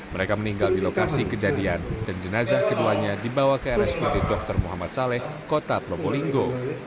mereka meninggal di lokasi kejadian dan jenazah keduanya dibawa ke rsud dr muhammad saleh kota probolinggo